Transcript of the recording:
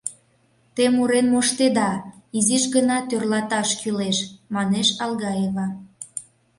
Те мурен моштеда, изиш гына тӧрлаташ кӱлеш, — манеш Алгаева.